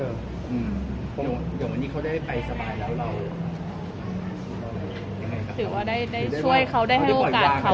เดี๋ยวอันนี้เขาคงได้ไปสบายแล้วเราเจอก็มา